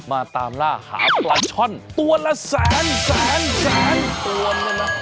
มาตามล่าหาปลาช่อนตัวละแสนแสนตัวเนี่ยนะ